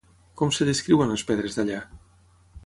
Com es descriuen les pedres d'allà?